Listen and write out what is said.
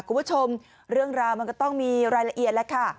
คุณผู้ชมเรื่องราวมันก็ต้องมีรายละเอียดแล้วค่ะ